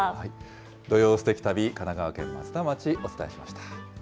土曜すてき旅、神奈川県松田町、お伝えしました。